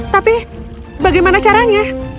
tapi bagaimana caranya